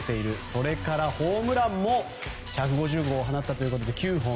それからホームランも１５０号を放ったということで９号。